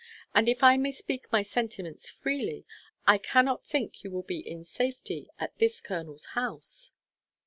And, if I may speak my sentiments freely, I cannot think you will be in safety at this colonel's house."